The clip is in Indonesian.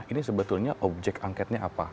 ini sebetulnya objek angketnya apa